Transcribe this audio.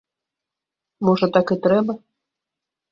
Можа так і трэба?